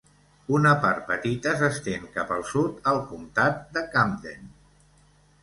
Una part petita s'estén cap al sud al comtat de Camden.